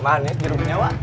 emanet jetuhnya wak